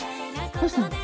どうしたの？